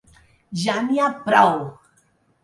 Ja n’hi ha prou.